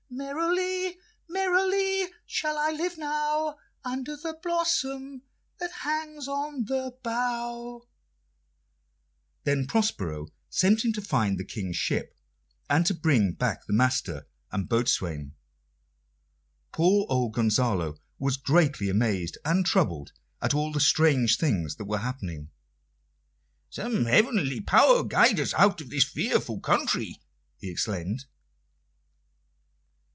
Merrily, merrily shall I live now Under the blossom that hangs on the bough." Then Prospero sent him to find the King's ship, and to bring back the master and boatswain. Poor old Gonzalo was greatly amazed and troubled at all the strange things that were happening. "Some heavenly power guide us out of this fearful country!" he exclaimed.